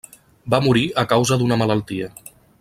Va morir a causa d'una malaltia.